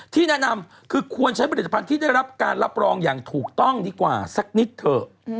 ที่แนะนำคือควรใช้ผลิตภัณฑ์ที่ได้รับการรับรองอย่างถูกต้องดีกว่าสักนิดเถอะ